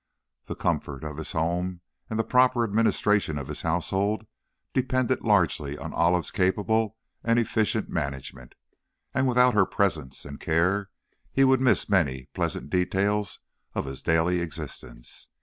The comfort of his home and the proper administration of his household depended largely on Olive's capable and efficient management, and without her presence and care he would miss many pleasant details of his daily existence.